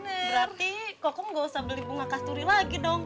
berarti kokang gak usah beli bunga kasturi lagi dong